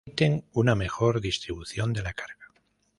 Permiten una mejor distribución de la carga.